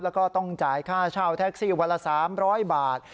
แล้วก็ต้องจ่ายค่าเช่าแท็กซี่วันละ๓๐๐บาท